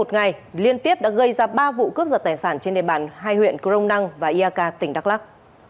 ngày liên tiếp đã gây ra ba vụ cướp giật tài sản trên đề bàn hai huyện crong nang và iak tỉnh đắk lắc